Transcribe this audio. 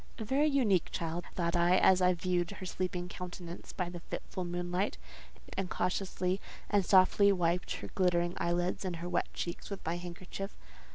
"A very unique child," thought I, as I viewed her sleeping countenance by the fitful moonlight, and cautiously and softly wiped her glittering eyelids and her wet cheeks with my handkerchief.